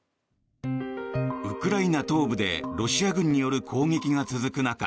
ウクライナ東部でロシア軍による攻撃が続く中